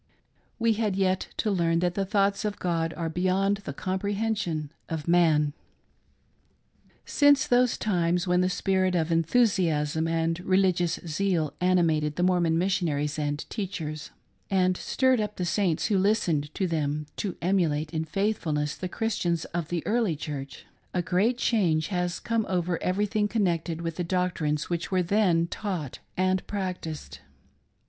We had yet to learn that the thoughts of God are beyond the comprehen sion of man. Since those times when the spirit of enthusiasm and relig ious zeal animated the Mormon missionaries and teachers, and stirred up the Saints who listened to them to emulate in faith fulness the Christians of the Early Church, a great change has come over everything connected with the doctrines which were then taught and practiced.